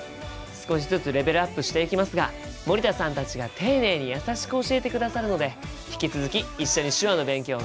少しずつレベルアップしていきますが森田さんたちが丁寧に優しく教えてくださるので引き続き一緒に手話の勉強頑張りましょうね！